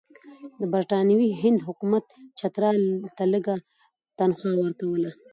د برټانوي هند حکومت چترال ته لږه تنخوا ورکوله.